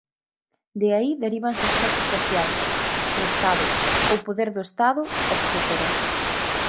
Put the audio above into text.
De aí derívanse as clases sociais, o Estado, o poder do Estado etcétera.